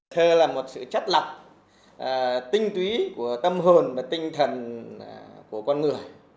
thơ là một sự chất lập tinh túy của tâm hồn và tinh thần của con người